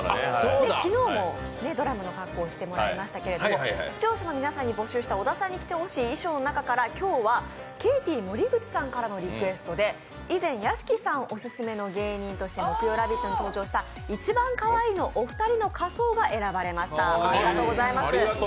昨日もドラムの格好をしてもらいましたけれども主張者の皆さんに募集した小田さんに着てほしい衣装の中から、今日はケイティ守口さんからのリクエストで以前、屋敷さんオススメのリクエストとして木曜「ラヴィット！」に出演したいちばんかわいいのお二人の仮装が選ばれました、ありがとうございます。